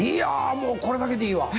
もうこれだけでいいわ！